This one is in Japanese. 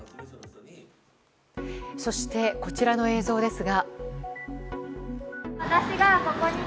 そして、こちらの映像ですが。